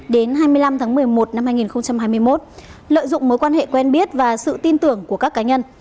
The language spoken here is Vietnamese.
đến hai mươi năm tháng một mươi một năm hai nghìn hai mươi một lợi dụng mối quan hệ quen biết và sự tin tưởng của các cá nhân